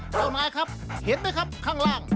เจ้านายครับเห็นไหมครับข้างล่าง